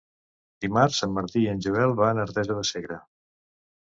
Dimarts en Martí i en Joel van a Artesa de Segre.